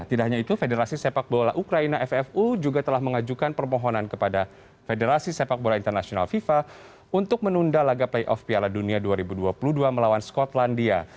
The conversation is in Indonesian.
tidak hanya itu federasi sepak bola ukraina ffu juga telah mengajukan permohonan kepada federasi sepak bola internasional fifa untuk menunda laga playoff piala dunia dua ribu dua puluh dua melawan skotlandia